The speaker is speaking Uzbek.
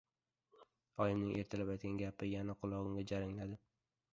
Oyimning ertalab aytgan gapi yana qulog‘imda jarangladi.